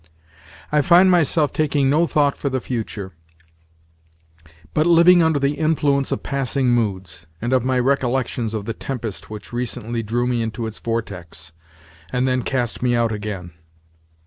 I find myself taking no thought for the future, but living under the influence of passing moods, and of my recollections of the tempest which recently drew me into its vortex, and then cast me out again.